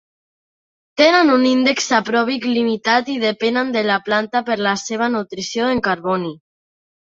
Tenen un índex sapròbic limitat i depenen de la planta per la seva nutrició en carboni.